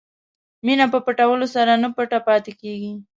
مینه په پټولو سره نه پټه پاتې کېږي.